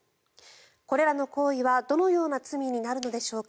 これらの行為はどのような罪になるのでしょうか。